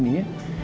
mama jangan takut